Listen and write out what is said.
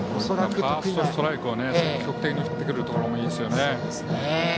ファーストストライクを積極的に振ってくるところもいいですよね。